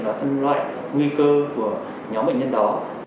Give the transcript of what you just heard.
là phần loại nguy cơ của nhóm bệnh nhân đó